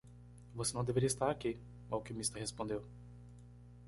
"Você não deveria estar aqui?" o alquimista respondeu.